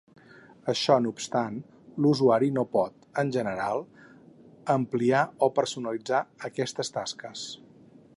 Això no obstant, l'usuari no pot, en general, ampliar o personalitzar aquestes tasques.